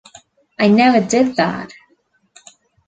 I never did that.